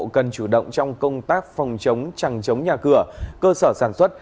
cần chủ động trong công tác phòng chống chẳng chống nhà cửa cơ sở sản xuất